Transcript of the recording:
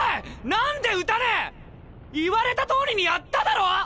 何で撃たねえ⁉言われた通りにやっただろう